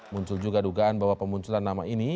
muncul juga dugaan bahwa pemunculan nama ini